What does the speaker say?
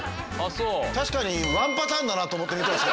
確かにワンパターンだなと思って見てました。